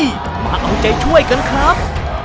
มาเอาใจช่วยกันครับ